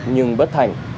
nhưng bất thành